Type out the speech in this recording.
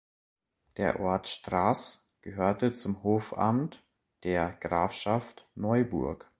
Der Ort Straß gehörte zum Hofamt der Grafschaft Neuburg.